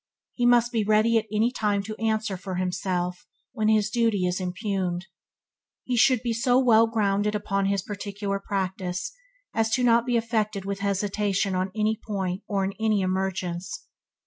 he must be ready at any time to answer for himself when his duty is impugned. He should be so well grounded upon his particular practice as not to be affected with hesitation on any point or in any emergence.